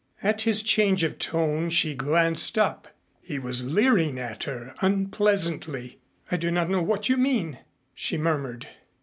At his change of tone she glanced up. He was leering at her unpleasantly. "I do not know what you mean," she murmured.